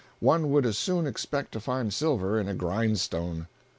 One would as soon expect to find silver in a grindstone.